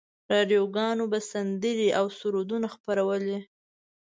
راډیوګانو به سندرې او سرودونه خپرولې.